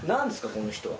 この人は。